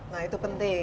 nah itu penting